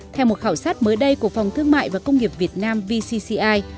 theo một khảo sát mới đây của phòng thương mại và công nghiệp việt nam vcci